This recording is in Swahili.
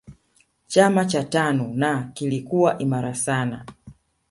chama cha tanu na kilikuwa imara sana